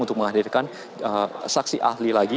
untuk menghadirkan saksi ahli lagi